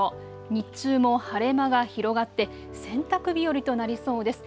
日中も晴れ間が広がって洗濯日和となりそうです。